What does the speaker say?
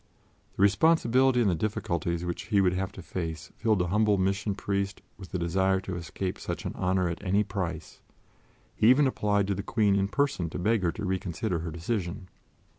The responsibility and the difficulties which he would have to face filled the humble Mission Priest with the desire to escape such an honor at any price; he even applied to the Queen in person to beg her to reconsider her decision.